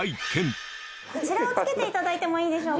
こちらをつけて頂いてもいいでしょうか？